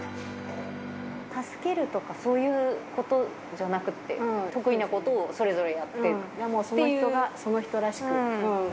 助けるとかそういうことじゃなくて、得意なことをそれぞれやってその人がその人らしく。